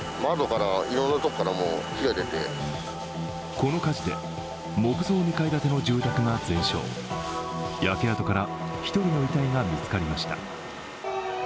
この火事で、木造２階建ての住宅が全焼、焼け跡から１人の遺体が見つかりました。